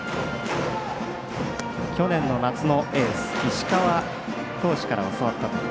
去年の夏のエース石川投手から教わったという。